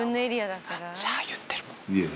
しゃー言ってるもん。